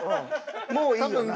もういいよな。